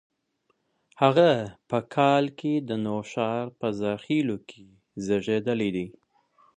هغه په کال کې د نوښار په زاخیلو کې زیږېدلي دي.